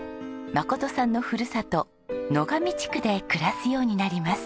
眞さんのふるさと野上地区で暮らすようになります。